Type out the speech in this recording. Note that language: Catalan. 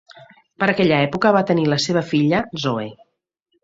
Per aquella època va tenir a la seva filla, Zoe.